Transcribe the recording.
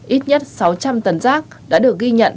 ít nhất sáu trăm linh tấn rác đã được ghi nhận